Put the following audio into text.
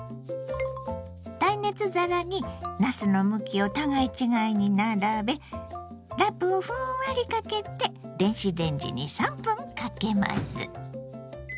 耐熱皿になすの向きを互い違いに並べラップをふんわりかけて電子レンジに３分かけます。